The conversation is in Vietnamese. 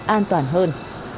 an toàn hơn